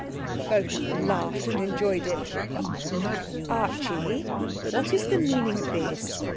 Both of them laughed and enjoyed it. 'Archie, what is the meaning of this?